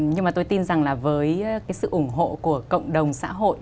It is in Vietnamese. nhưng mà tôi tin rằng là với cái sự ủng hộ của cộng đồng xã hội